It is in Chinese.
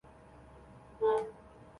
这些影响反映了苏里南历史的发展。